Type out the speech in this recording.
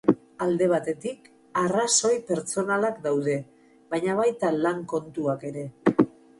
Alde batetik, arrazoi pertsonalak daude, baina baita lan-kontuak ere.